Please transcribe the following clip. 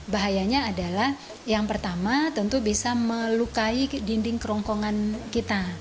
bahayanya adalah yang pertama tentu bisa melukai dinding kerongkongan kita